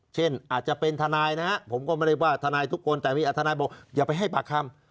เช่นอาจจะเป็นทนายนะครับผมก็ไม่ได้ว่าทนายทุกคนแต่มีทนายบอกอย่าไปให้ปากคำ